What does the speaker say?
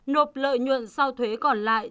nộp lợi nhuận sau thuế còn lại